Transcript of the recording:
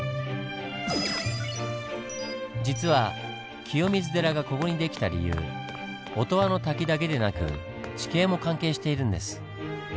実は清水寺がここに出来た理由音羽の瀧だけでなく地形も関係しているんです。